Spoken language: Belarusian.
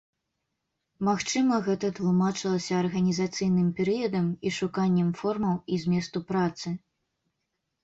Магчыма, гэта тлумачылася арганізацыйным перыядам і шуканнем формаў і зместу працы.